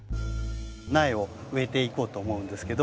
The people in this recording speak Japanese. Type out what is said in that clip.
苗を植えていこうと思うんですけど。